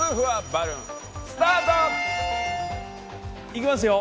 いきますよ？